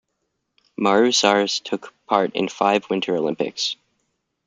Marusarz took part in five Winter Olympics.